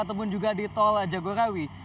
dan juga di tol jagorawi